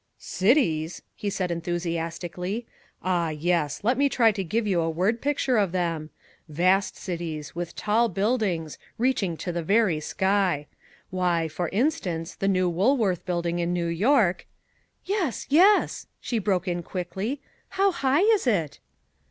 "Cities!" he said enthusiastically, "ah, yes! let me try to give you a word picture of them. Vast cities with tall buildings, reaching to the very sky. Why, for instance, the new Woolworth Building in New York " "Yes, yes," she broke in quickly, "how high is it?"